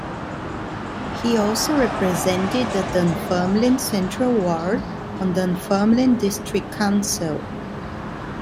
He also represented the Dunfermline Central ward on Dunfermline District Council.